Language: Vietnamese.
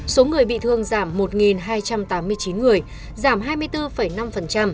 số người bị thương giảm một hai trăm tám mươi chín người giảm hai mươi bốn năm